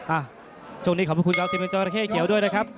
อ่ะช่วงนี้ขอบคุณครับทีมจราเข้เขียวด้วยนะครับ